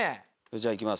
じゃあいきます。